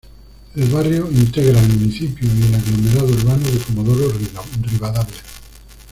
El barrio integra el municipio y el aglomerado urbano de Comodoro Rivadavia.